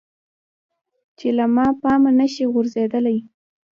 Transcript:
چې له پامه نشي غورځیدلی.